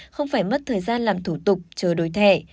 không phải mất thời gian làm thủ tục chờ đổi thẻ